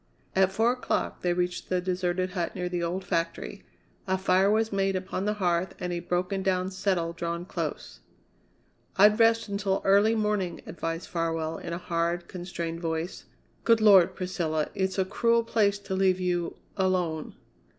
At four o'clock they reached the deserted hut near the old factory. A fire was made upon the hearth and a broken down settle drawn close. "I'd rest until early morning," advised Farwell in a hard, constrained voice. "Good Lord, Priscilla, it's a cruel place to leave you alone!"